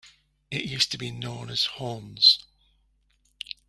It used to be known as Hawnes.